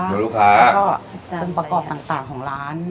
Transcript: คลิบประกอบต่างของร้าน